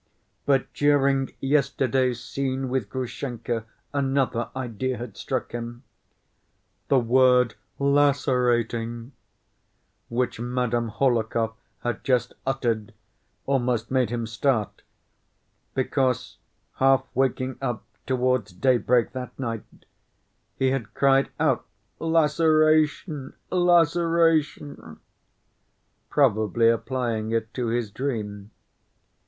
But during yesterday's scene with Grushenka another idea had struck him. The word "lacerating," which Madame Hohlakov had just uttered, almost made him start, because half waking up towards daybreak that night he had cried out "Laceration, laceration," probably applying it to his dream.